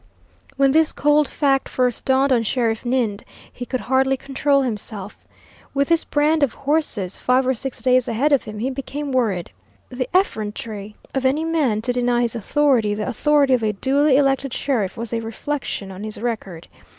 When this cold fact first dawned on Sheriff Ninde, he could hardly control himself. With this brand of horses five or six days ahead of him he became worried. The effrontery of any man to deny his authority the authority of a duly elected sheriff was a reflection on his record.